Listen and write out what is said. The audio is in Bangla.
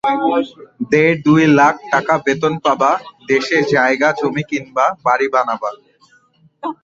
দেড়-দুই লাখ টাকা বেতন পাবা, দেশে জায়গা জমি কিনবা, বাড়ি বানাবা।